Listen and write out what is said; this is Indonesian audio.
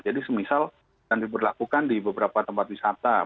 jadi semisal yang diperlakukan di beberapa tempat wisata